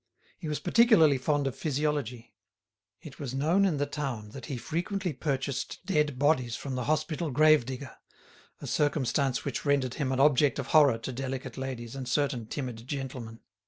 He was particularly fond of physiology. It was known in the town that he frequently purchased dead bodies from the hospital grave digger, a circumstance which rendered him an object of horror to delicate ladies and certain timid gentlemen.